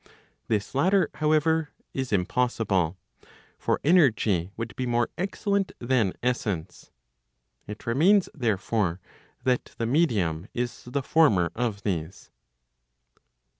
This latter however, is impossible. For energy would be more excellent than essence. It remains therefore, that the medium is the former of these.